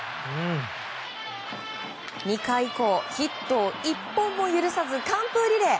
２回以降、ヒットを１本も許さず完封リレー。